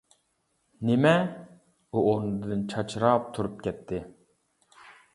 -نېمە؟ -ئۇ ئورنىدىن چاچراپ تۇرۇپ كەتتى.